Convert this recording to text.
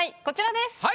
こちらです。